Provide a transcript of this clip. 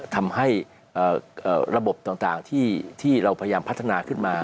ทำให้ระบบต่างที่เราพยายามพัฒนาขึ้นมา